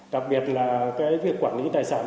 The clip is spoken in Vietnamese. đặc biệt là việc quản lý tài sản